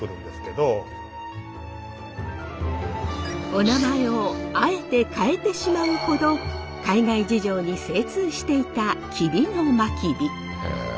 おなまえをあえて変えてしまうほど海外事情に精通していた吉備真備。